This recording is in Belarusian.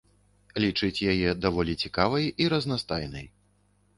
Лічыць яе даволі цікавай і разнастайнай.